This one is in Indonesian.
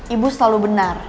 ibu selalu benar